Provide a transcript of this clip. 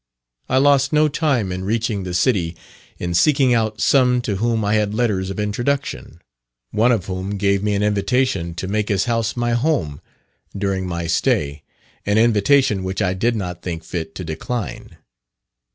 I lost no time on reaching the city in seeking out some to whom I had letters of introduction, one of whom gave me an invitation to make his house my home during my stay, an invitation which I did not think fit to decline.